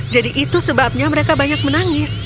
jadi itu sebabnya mereka banyak menangis